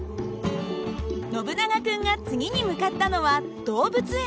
ノブナガ君が次に向かったのは動物園。